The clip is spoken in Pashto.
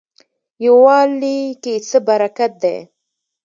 یووالي کې څه برکت دی؟